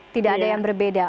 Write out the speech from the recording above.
tidak ada yang berbeda